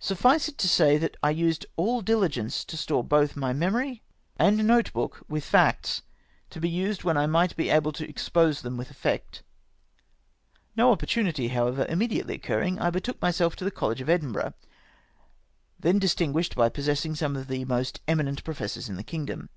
Suffice it to say, that I used all dihgence to store both my memory * See Brenton, vol. ii. p. 356. A POST CAPTAIN AT COLLEGE. 163 and note book with facts, to be used when I might be able to expose them with effect. No opportimity, however, immediately occurring, I betook myself to the College of Edinburgh, then dis tinguished by possessing some of the most eminent professors in the kingdom.